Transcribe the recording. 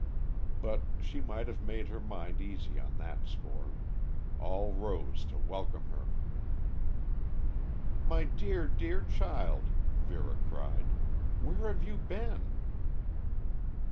But she might have made her mind easy on that score. All rose to welcome her. "My dear, dear child," Vera cried. "Where have you been?"